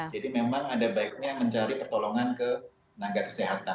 jadi memang ada baiknya mencari pertolongan ke tenaga kesehatan